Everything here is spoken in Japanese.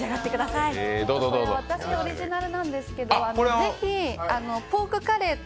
私のオリジナルなんですけど、ぜひ、ポークカレーと